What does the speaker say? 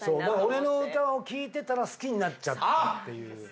俺の歌を聴いてたら好きになっちゃったっていう。